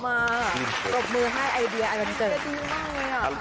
กลบมือให้ไอเดียอรรันเตอร์